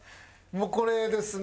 もうこれですね。